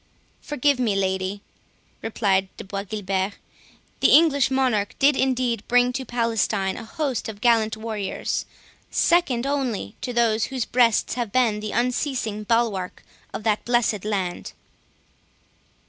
"Forgive me, lady," replied De Bois Guilbert; "the English monarch did, indeed, bring to Palestine a host of gallant warriors, second only to those whose breasts have been the unceasing bulwark of that blessed land."